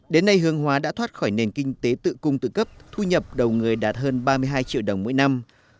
đến nay hương hóa đã thoát khỏi nền kinh tế tự cung tự cấp thu nhập đầu người đạt hơn ba mươi hai triệu đồng mỗi năm